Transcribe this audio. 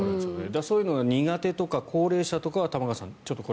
そういうのが苦手とか高齢者は玉川さん